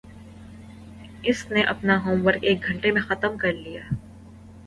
اس نے اپنا homework ایک گھنٹے میں ختم کر لیا